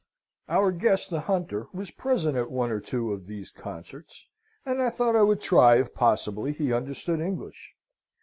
"Our guest the hunter was present at one or two of these concerts, and I thought I would try if possibly he understood English.